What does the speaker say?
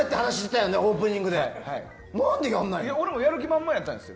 俺もやる気満々だったんです。